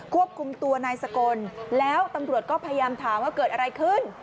ควบคุมตัวนายสกลแล้วตำรวจก็พยายามถามว่าเกิดอะไรขึ้น